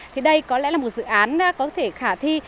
thì đây có lẽ là một dự án có thể khả thi